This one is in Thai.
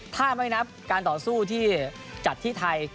ถ้าไม่นับการต่อสู้ที่จัดที่ไทย